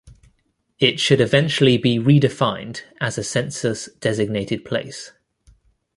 It should eventually be redefined as a census-designated place.